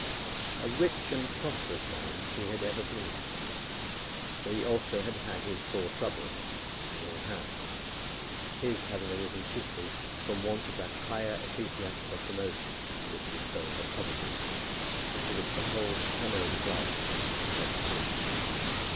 A rich and prosperous man he had ever been, though he also had had his sore troubles, as we all have, his having arisen chiefly from want of that higher ecclesiastical promotion which his soul had coveted, and for which the whole tenour of his life had especially fitted him.